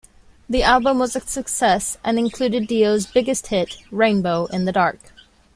The album was a success and included Dio's biggest hit, "Rainbow in the Dark".